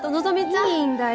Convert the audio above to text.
いいんだよ！